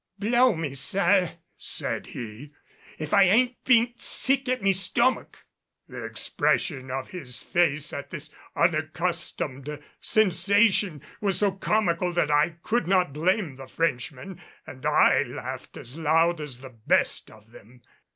"Blow me, sir," said he, "if I bean't sick at me stomick." The expression of his face at this unaccustomed sensation was so comical that I could not blame the Frenchmen, and I laughed as loud as the best of them.